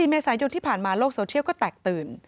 เมษายนที่ผ่านมาโลกโซเชียลก็แตกตื่น